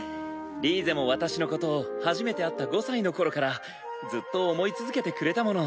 リーゼも私のことを初めて会った５歳の頃からずっと想い続けてくれたもの。